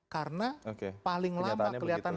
karena paling lama kelihatan